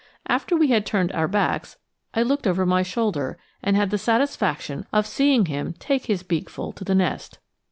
After we had turned our backs, I looked over my shoulder and had the satisfaction of seeing him take his beakful to the nest.